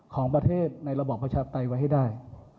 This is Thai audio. ของประเทศในระบอบประชาปไตยไว้ให้ได้